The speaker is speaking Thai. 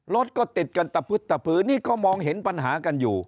รถก็ติดกันตะพึดตะพื้นนี่ก็มองเห็นปัญหากันอยู่